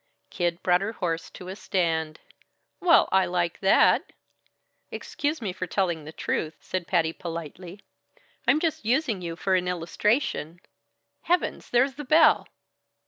Kid brought her horse to a stand. "Well I like that!" "Excuse me for telling the truth," said Patty politely, "I'm just using you for an illustration Heavens! There's the bell!"